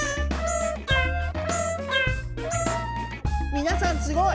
みなさんすごい！